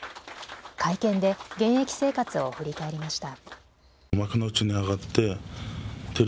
会見で現役生活を振り返りました。